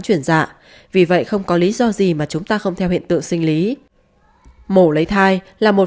chuyển dạ vì vậy không có lý do gì mà chúng ta không theo hiện tượng sinh lý mổ lấy thai là một